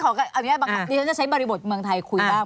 นี่ฉันจะใช้บริบทเมืองไทยคุยบ้าง